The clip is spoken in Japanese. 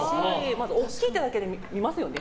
まず大きいってだけで見ますよね。